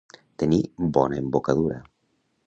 Tenir bona embocadura.